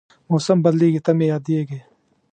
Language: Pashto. موسم بدلېږي، ته مې یادېږې